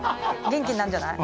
元気になるんじゃない？